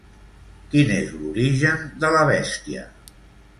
Quin és l'origen de la bèstia?